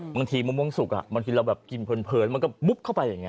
มะม่วงสุกบางทีเราแบบกินเพลินมันก็บุ๊บเข้าไปอย่างนี้